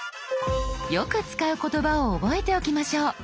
よく使う言葉を覚えておきましょう。